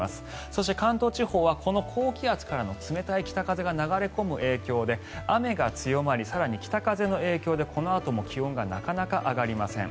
そして関東地方はこの高気圧からの冷たい北風が流れ込む影響で雨が強まり更に北風の影響でこのあとも気温がなかなか上がりません。